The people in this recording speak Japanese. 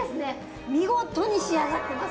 見事に仕上がってます！